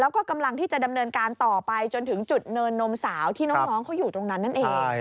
แล้วก็กำลังที่จะดำเนินการต่อไปจนถึงจุดเนินนมสาวที่น้องเขาอยู่ตรงนั้นนั่นเอง